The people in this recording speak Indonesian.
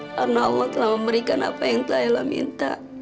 karena allah telah memberikan apa yang ella minta